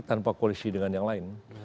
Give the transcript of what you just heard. tanpa koalisi dengan yang lain